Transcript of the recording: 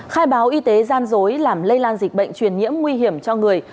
khai báo y tế gian dối làm lây lan dịch bệnh truyền nhiễm nguy hiểm cho người